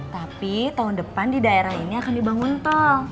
tapi tahun depan di daerah ini akan dibangun tol